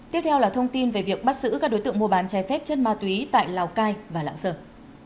tiếp theo là thông tin về việc bắt giữ các đối tượng mua bán trái phép chất ma túy tại lào cai và lạng sơn